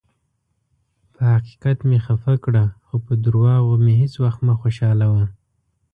پۀ حقیقت مې خفه کړه، خو پۀ دروغو مې هیڅ ؤخت مه خوشالؤه.